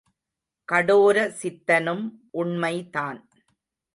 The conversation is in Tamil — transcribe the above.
கடோர சித்தனும் உண்மை தான்.